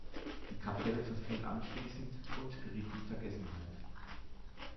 Die Kapelle verfiel anschließend und geriet in Vergessenheit.